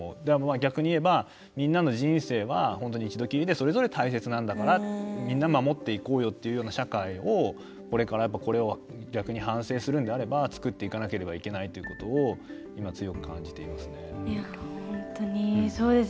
逆に言えば、みんなの人生は一度きりでそれぞれ大切なんだからみんな守っていこうよという社会をこれからこれを反省するのであれば作っていかなければいけないということを今、強く感じています。